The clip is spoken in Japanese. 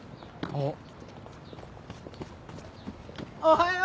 おはよー！